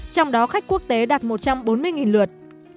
trong đó khách quốc tế đạt một trăm bốn mươi lượt